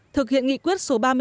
thực hiện nghị quyết số ba mươi